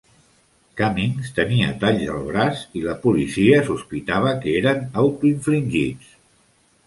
Cummings tenia talls al braç, i la policia sospitava que eren autoinfligits.